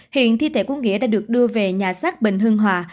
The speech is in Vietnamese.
hiện thi tệ của nghĩa đã được đưa về nhà sát bình hương hòa